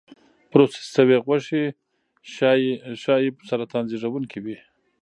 پروسس شوې غوښې ښایي سرطان زېږونکي وي.